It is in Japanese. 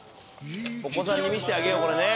お子さんに見してあげようこれね。